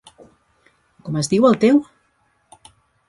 Com es diu el teu!?